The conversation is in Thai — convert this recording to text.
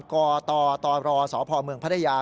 กตตรสพเมพัทยา